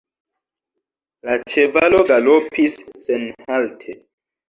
La ĉevalo galopis senhalte.